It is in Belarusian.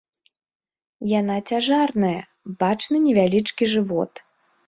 Яна цяжарная, бачны невялічкі жывот.